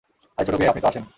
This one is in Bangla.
আরে ছোট বেয়াই, আপনি তো আসেন!